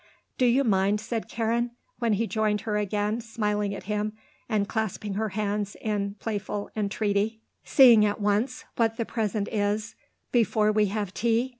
"Do you mind," said Karen, when he joined her again, smiling at him and clasping her hands in playful entreaty, "seeing at once what the present is before we have tea?